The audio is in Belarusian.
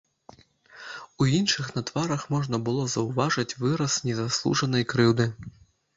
У іншых на тварах можна было заўважыць выраз незаслужанай крыўды.